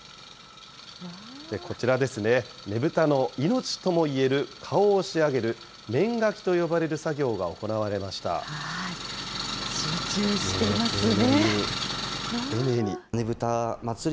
こちらですね、ねぶたの命ともいえる顔を仕上げる面書きと呼ばれる作業が行われ集中してますね。